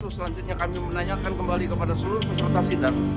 selanjutnya kami menanyakan kembali kepada seluruh peserta sidang